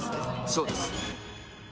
そうです